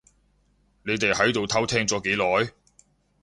你哋喺度偷聽咗幾耐？